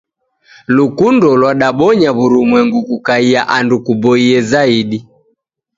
Lukundo lwadabonya w'urumwengu kukaiya andu kuboie zaidi.